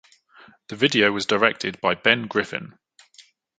The video was directed by Ben Griffin.